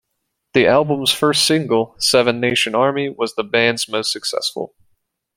The album's first single, "Seven Nation Army", was the band's most successful.